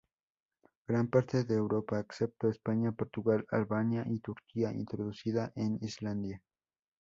Gran parte de Europa, excepto España, Portugal, Albania y Turquía; introducida en Islandia.